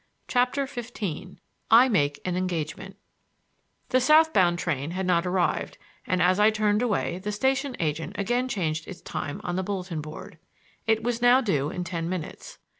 CHAPTER XV I MAKE AN ENGAGEMENT The south bound train had not arrived and as I turned away the station agent again changed its time on the bulletin board. It was now due in ten minutes.